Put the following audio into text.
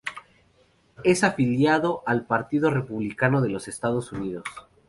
Es afiliado al Partido Republicano de los Estados Unidos.